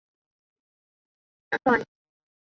什刹海清真寺是清朝乾隆年间由马良创建。